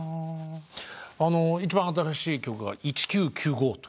あの一番新しい曲が「１９９５」と。